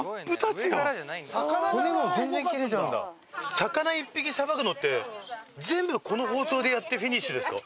魚１匹さばくのって全部この包丁でやってフィニッシュですか？